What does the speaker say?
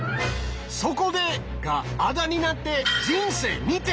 「そこで」があだになって人生２点。